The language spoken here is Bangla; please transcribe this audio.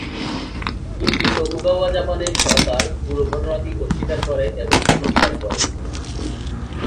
কিন্তু তোকুগাওয়া জাপানের সরকার পুরো ঘটনাটি অস্বীকার করে এবং কোনো বিচার করেনি।